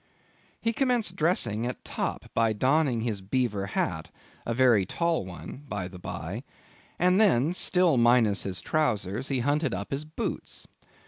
He commenced dressing at top by donning his beaver hat, a very tall one, by the by, and then—still minus his trowsers—he hunted up his boots.